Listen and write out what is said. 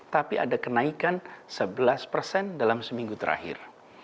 tapi ada kenaikan sebelas persen dalam seminggu terakhir